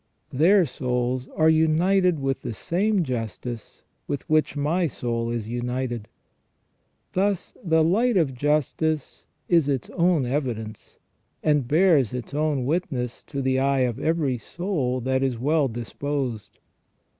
Their souls are united with the same justice with which my soul is united. Thus the light of justice is its own evidence, and bears its own witness to the eye of every soul that is well disposed.